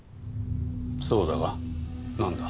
そうだがなんだ？